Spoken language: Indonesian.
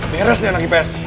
beres nih anak ips